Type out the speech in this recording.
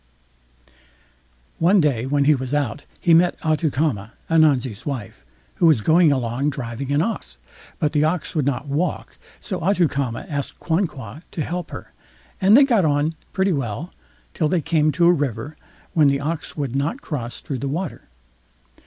One day when he was out, he met Atoukama, Ananzi's wife, who was going along driving an ox, but the ox would not walk, so Atoukama asked Quanqua to help her; and they got on pretty well, till they came to a river, when the ox would not cross through the water.